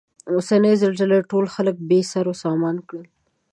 اوسنۍ زلزلې ټول خلک بې سرو سامانه کړل.